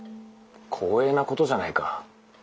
光栄なことじゃないか。